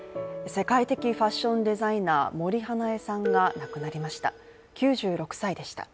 世界的ファッションデザイナー・森英恵さんが亡くなりました、９６歳でした。